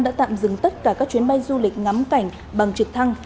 đã tạm dừng tất cả các chuyến bay du lịch ngắm cảnh bằng trực thăng